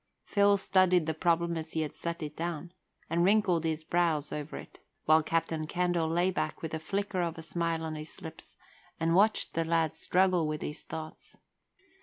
Phil studied the problem as he had set it down, and wrinkled his brows over it, while Captain Candle lay back with a flicker of a smile on his lips and watched the lad struggle with his thoughts.